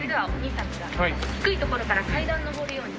低い所から階段上るように。